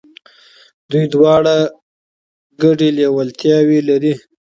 دوی دواړه ګډي لېوالتياوي لري.